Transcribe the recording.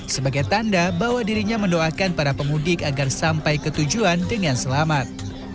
sebagai tanda bahwa dirinya mendoakan para pemudik agar sampai ke tujuan dengan selamat